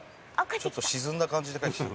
ちょっと沈んだ感じで帰ってきた。